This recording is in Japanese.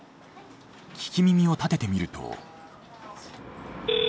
聞き耳を立ててみると。